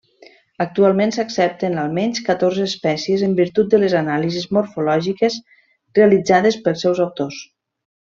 Actualment s'accepten almenys catorze espècies en virtut de les anàlisis morfològiques realitzades pels seus autors.